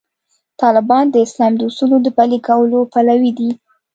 طالبان د اسلام د اصولو د پلي کولو پلوي دي.